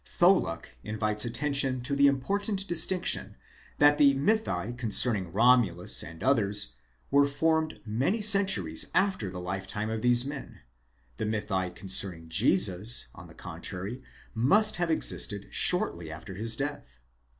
Tholuck invites attention to the important distinction that the mythi concerning Romulus and others were formed many centuries. after the lifetime of these men: the mythi concerning Jesus, on the contrary, must have existed shortly after his death.